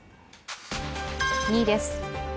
２位です。